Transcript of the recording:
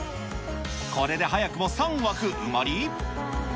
これで早くも３枠埋まり。